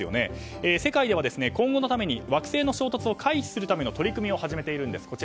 世界では今後のために惑星の衝突を回避するための取り組みを始めているんです。